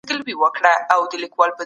روښانه فکر باور نه کموي.